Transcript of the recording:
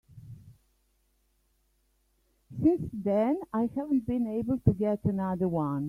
Since then I haven't been able to get another one.